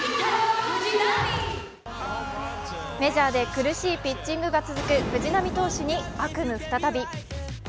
メジャーで苦しいピッチングが続く藤浪投手に悪夢再び。